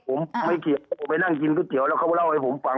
ผมไม่เกี่ยวผมไปนั่งกินก๋วยเตี๋ยวแล้วเขามาเล่าให้ผมฟัง